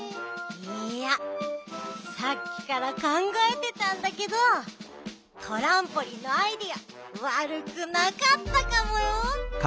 いいやさっきからかんがえてたんだけどトランポリンのアイデアわるくなかったかもよ！